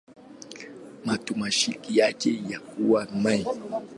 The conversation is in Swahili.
Matamshi yake yalikuwa "m".